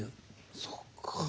そっか。